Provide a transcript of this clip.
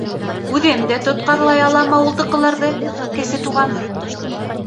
— Үҙем дә тотҡарлай алам ауылдыҡыларҙы, Кесе Туған.